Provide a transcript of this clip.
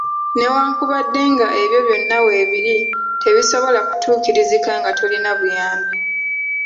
Newankubadde nga ebyo byonna weebiri, tebisobola kutuukirizika nga tolina buyambi.